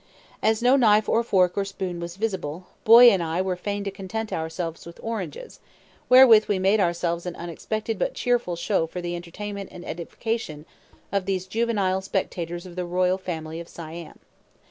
As no knife or fork or spoon was visible, Boy and I were fain to content ourselves with oranges, wherewith we made ourselves an unexpected but cheerful show for the entertainment and edification of those juvenile spectators of the royal family of Siam.